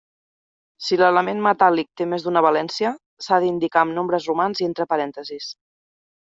Si l'element metàl·lic té més d'una valència, s'ha d'indicar amb nombres romans i entre parèntesis.